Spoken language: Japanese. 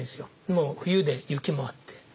もう冬で雪もあって。